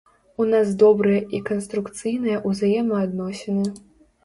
У нас добрыя і канструкцыйныя ўзаемаадносіны.